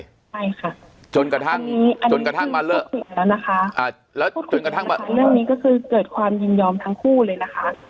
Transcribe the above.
ใช่ค่ะจนกระทั่งจนกระทั่งมาเลือกแล้วเรื่องนี้ก็คือเกิดความยินยอมทั้งคู่เลยนะคะ